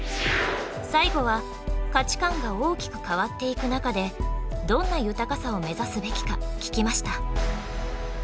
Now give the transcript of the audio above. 最後は価値観が大きく変わっていく中でどんな豊かさを目指すべきか聞きました。